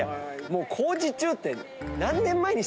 もう工事中って。